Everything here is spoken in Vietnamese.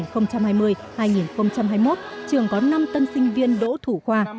năm học hai nghìn hai mươi hai nghìn hai mươi một trường có năm tân sinh viên đỗ thủ khoa